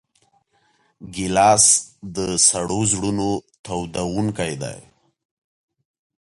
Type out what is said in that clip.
ګیلاس د سړو زړونو تودوونکی دی.